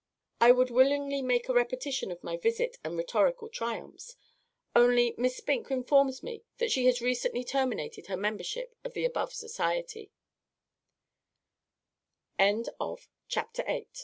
I would willingly make a repetition of my visit and rhetorical triumphs, only Miss SPINK informs me that she has recently terminated her membership with the above society.